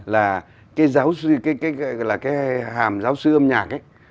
là cái giáo sư là cái hàm giáo sư âm nhạc ấy